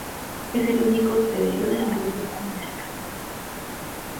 Es el único hospedero de la mariposa monarca.